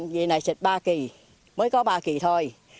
vì này xịt ba kỳ mới có ba kỳ thôi